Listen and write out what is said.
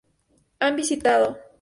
Han visitado